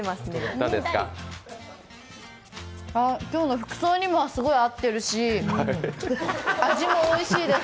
今日の服装にも合ってるし、味もおいしいです。